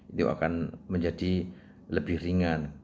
itu akan menjadi lebih ringan